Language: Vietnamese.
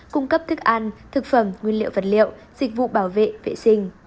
cung cấp thức ăn thực phẩm nguyên liệu vật liệu dịch vụ bảo vệ vệ sinh